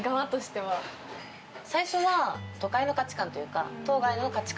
最初は都会の価値観というか。